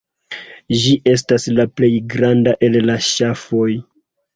Ĝi estas la plej granda el la ŝafoj.